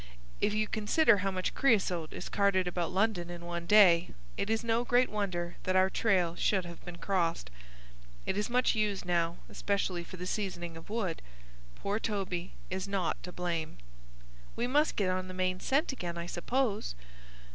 "If you consider how much creasote is carted about London in one day, it is no great wonder that our trail should have been crossed. It is much used now, especially for the seasoning of wood. Poor Toby is not to blame." "We must get on the main scent again, I suppose."